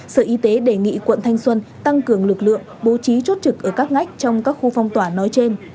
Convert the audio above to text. sở y tế đề nghị quận thanh xuân tăng cường lực lượng bố trí chốt trực ở các ngách trong các khu phong tỏa nói trên